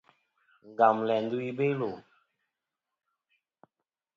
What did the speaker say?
Ngam læ ndu i Belo.